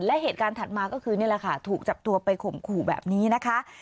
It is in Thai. และเหตุการณ์ถัดมาก็คือนี่แหละค่ะถูกจับตัวไปข่มขู่แบบนี้นะคะ